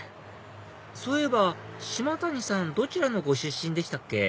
そういえば島谷さんどちらのご出身でしたっけ？